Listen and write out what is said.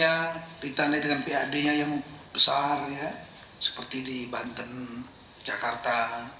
ya ditandai dengan pad nya yang besar seperti di banten jakarta